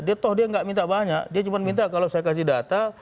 dia toh dia nggak minta banyak dia cuma minta kalau saya kasih data